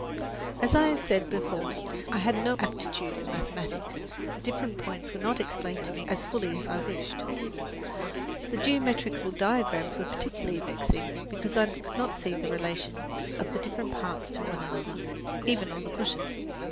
As I have said before, I had no aptitude for mathematics; the different points were not explained to me as fully as I wished. The geometrical diagrams were particularly vexing because I could not see the relation of the different parts to one another, even on the cushion.